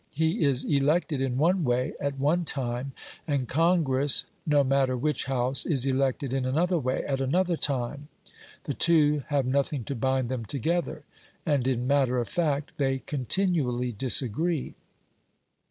He is elected in one way, at one time, and Congress (no matter which House) is elected in another way, at another time. The two have nothing to bind them together, and in matter of fact, they continually disagree.